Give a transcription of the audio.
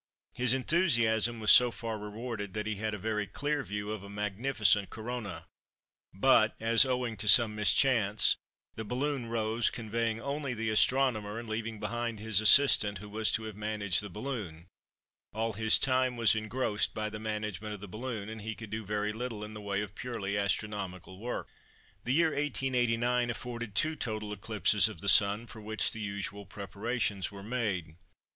His enthusiasm was so far rewarded that he had a very clear view of a magnificent Corona; but as, owing to some mischance, the balloon rose, conveying only the astronomer and leaving behind his assistant who was to have managed the balloon, all his time was engrossed by the management of the balloon, and he could do very little in the way of purely astronomical work. The year 1889 afforded two total eclipses of the Sun for which the usual preparations were made.